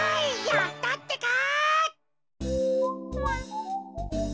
やったってか。